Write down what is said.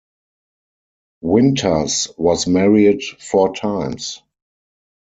Winters was married four times.